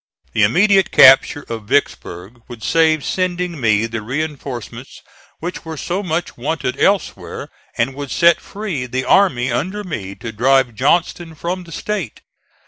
The immediate capture of Vicksburg would save sending me the reinforcements which were so much wanted elsewhere, and would set free the army under me to drive Johnston from the State.